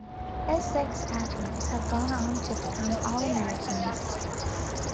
Essex athletes have gone on to become All-Americans.